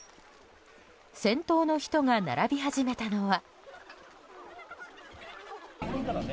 先頭の人が並び始めたのは。